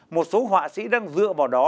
một số họa sĩ đang dựa vào đó